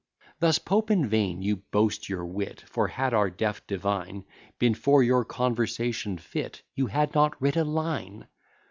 Thus, Pope, in vain you boast your wit; For, had our deaf divine Been for your conversation fit, You had not writ a line.